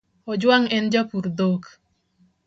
Ojwang en japur dhok